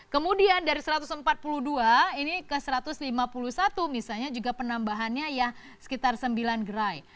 kemudian dari satu ratus empat puluh dua ini ke satu ratus lima puluh satu misalnya juga penambahannya ya sekitar sembilan gerai